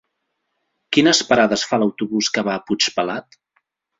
Quines parades fa l'autobús que va a Puigpelat?